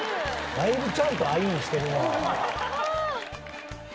だいぶちゃんとアイーンしてるな。